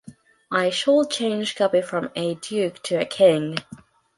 I shall change copy from a duke to a king.